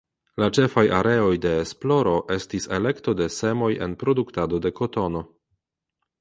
La ĉefaj areoj de esploro estis elekto de semoj en produktado de kotono.